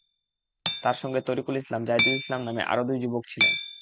তাঁর সঙ্গে তারিকুল ইসলাম, জাহিদুল ইসলাম নামের আরও দুই যুবক ছিলেন।